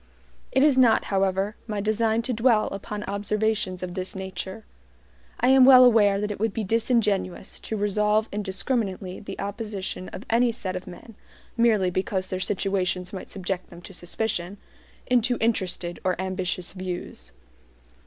It is not, however, my design to dwell upon observations of this nature. I am well aware that it would be disingenuous to resolve indiscriminately the opposition of any set of men (merely because their situations might subject them to suspicion) into interested or ambitious views.